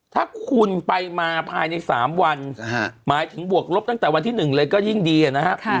ถ้าคุณไปมาภายใน๓วันหมายถึงบวกลบตั้งแต่วันที่๑เลยก็ยิ่งดีนะครับ